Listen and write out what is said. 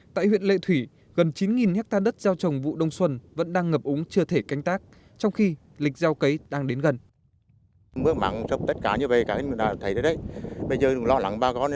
tại huyện lệ thủy gần chín hectare đất gieo trồng vụ đông xuân vẫn đang ngập úng chưa thể canh tác trong khi lịch gieo cấy đang đến gần